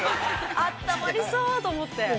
◆あったまりそうと思って。